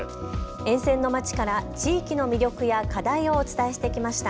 沿線の街から地域の魅力や課題をお伝えしてきました。